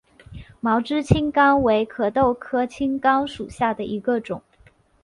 毛枝青冈为壳斗科青冈属下的一个种。